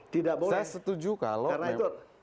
saya setuju kalau